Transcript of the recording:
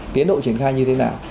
tiến độ triển khai như thế nào